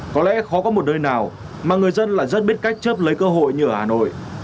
có lẽ khó có một nơi nào mà người dân lại rất biết cách chấp lấy cơ hội như ở hà nội